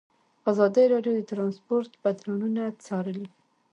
ازادي راډیو د ترانسپورټ بدلونونه څارلي.